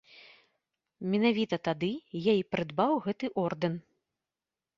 Менавіта тады я і прыдбаў гэты ордэн.